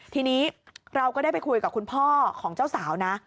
ทีนี้เราก็ได้ไปคุยกับคุณพ่อของเจ้าสาวนะ